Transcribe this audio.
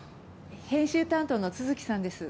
編集担当の都築さんです。